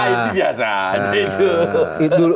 itu biasa aja itu